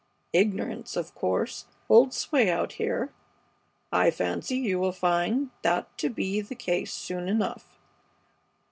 Ignorance, of course, holds sway out here. I fancy you will find that to be the case soon enough.